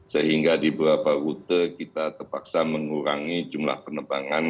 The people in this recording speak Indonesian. sehingga di beberapa rute kita terpaksa mengurangi jumlah penerbangan